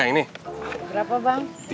yang ini bu